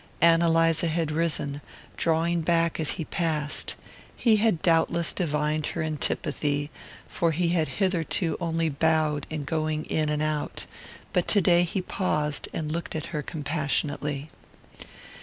Ann Eliza had risen, drawing back as he passed. He had doubtless divined her antipathy, for he had hitherto only bowed in going in and out; but to day he paused and looked at her compassionately.